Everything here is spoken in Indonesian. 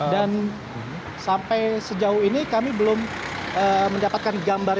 dan sampai sejauh ini kami belum mendapatkan gambar